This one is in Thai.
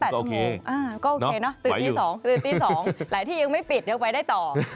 ก็โอเคนะตื่นตี๒หลายที่ยังไม่ปิดเดี๋ยวไปได้ต่อ